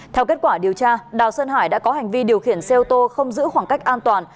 theo kết quả điều tra đào sơn hải đã có hành vi điều khiển xe ô tô không giữ khoảng cách an toàn